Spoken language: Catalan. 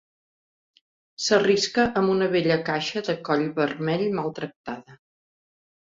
S'arrisca amb una vella caixa de coll vermell maltractada.